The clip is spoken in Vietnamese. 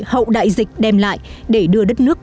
hậu đại dịch đem lại để đưa đất nước